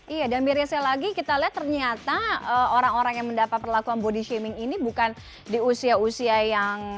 iya dan mirisnya lagi kita lihat ternyata orang orang yang mendapat perlakuan body shaming ini bukan di usia usia yang